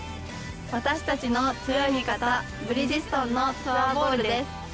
私たちの強い味方、ブリヂストンのツアーボールです。